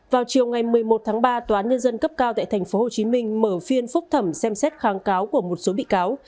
vào chiều ngày một mươi một tháng ba tòa án nhân dân cấp cao tại tp hcm mở phiên phúc thẩm xem xét kháng cáo của một số bị cáo